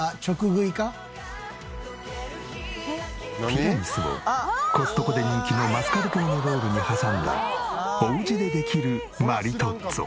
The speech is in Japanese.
ティラミスをコストコで人気のマスカルポーネロールに挟んだおうちでできるマリトッツォ。